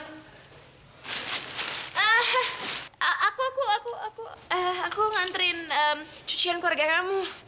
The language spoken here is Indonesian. ah aku aku aku aku ngantriin cucian keluarga kamu